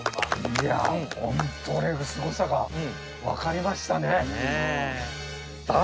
いやホントにすごさが分かりましたね！